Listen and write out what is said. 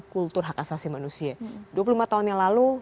kultur hak asasi manusia dua puluh lima tahun yang lalu